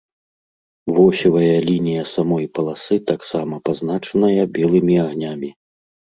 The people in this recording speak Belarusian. Восевая лінія самой паласы таксама пазначаная белымі агнямі.